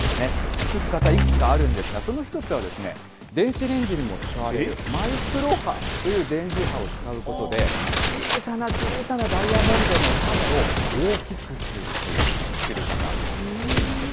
作り方、いくつかあるんですが、その１つは、電子レンジにも使われる、マイクロ波という電磁波を使うことで、小さな小さなダイヤモンドの種を大きくするという作り方なんだそうです。